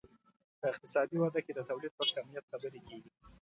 په اقتصادي وده کې د تولید په کمیت خبرې کیږي.